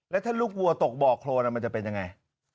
และถ้าลูกวัวตกเร์ดบ่อโครนล่ะมันจะเป็นยังไง